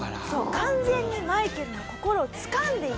完全にマイケルの心をつかんでいて。